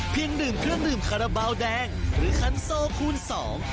ดื่มเครื่องดื่มคาราบาลแดงหรือคันโซคูณสอง